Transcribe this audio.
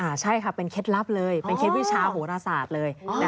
ใช่ค่ะเป็นเคล็ดลับเลยเป็นเคล็ดวิชาโหรศาสตร์เลย